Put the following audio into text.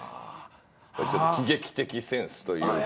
喜劇的センスというか。